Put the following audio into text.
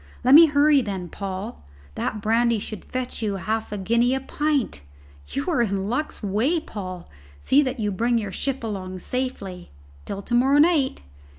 "Let me hurry, then, Paul; that brandy should fetch you half a guinea a pint. You are in luck's way, Paul. See that you bring your ship along safely. Till to morrow night!"